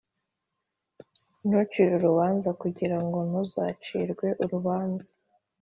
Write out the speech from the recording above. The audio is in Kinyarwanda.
ntucire urubanza kugira ngo ntuzacirwe urubanza